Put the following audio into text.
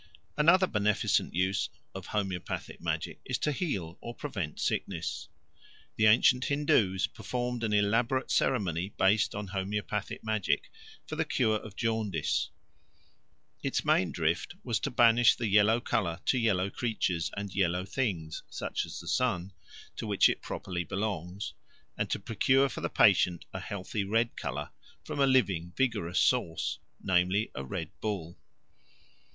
Another beneficent use of homoeopathic magic is to heal or prevent sickness. The ancient Hindoos performed an elaborate ceremony, based on homoeopathic magic, for the cure of jaundice. Its main drift was to banish the yellow colour to yellow creatures and yellow things, such as the sun, to which it properly belongs, and to procure for the patient a healthy red colour from a living, vigorous source, namely, a red bull.